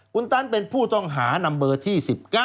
คุณตันเป็นผู้ต้องหานำเบอร์ที่๑๙